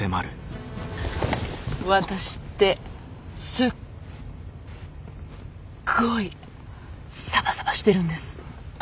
ワタシってすっごいサバサバしてるんです。